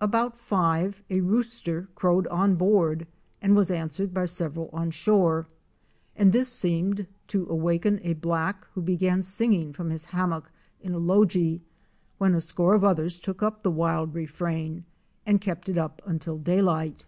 About five a rooster crowed on board and was answered by several on shore, and this seemed to awaken a black who began singing from his hammock in a logie, when a score of others took up the wild refrain and kept it up until daylight.